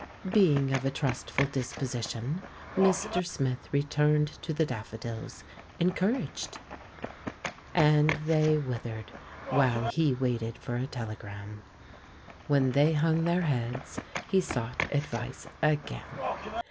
Being of a trustful disposition, Mr. Smith returned to the daffodils, encouraged. And they withered while he waited for a tele gram. When they hung their heads, he sought advice again.